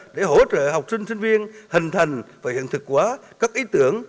để hỗ trợ học sinh sinh viên hình thành và hiện thực hóa các ý tưởng